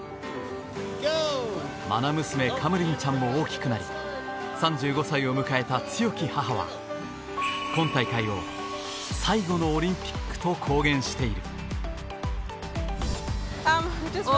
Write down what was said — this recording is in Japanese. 愛娘カムリンちゃんも大きくなり３５歳を迎えた強き母は今大会を最後のオリンピックと公言している。